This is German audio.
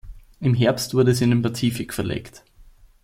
Im Herbst wurde sie in den Pazifik verlegt.